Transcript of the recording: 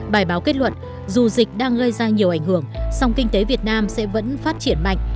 bài báo kết luận dù dịch đang gây ra nhiều ảnh hưởng song kinh tế việt nam sẽ vẫn phát triển mạnh